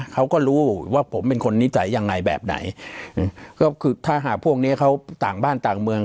เขาก็รู้ว่าผมเป็นคนนิสัยยังไงแบบไหนก็คือถ้าหากพวกเนี้ยเขาต่างบ้านต่างเมือง